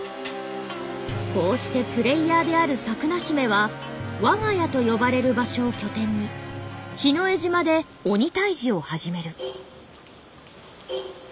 こうしてプレイヤーであるサクナヒメは「我が家」と呼ばれる場所を拠点にヒノエ島で鬼退治を始める。